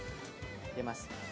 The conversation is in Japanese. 入れますね。